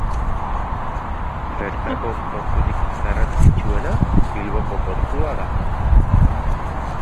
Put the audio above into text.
Bertako porturik garrantzitsuena Bilboko portua da.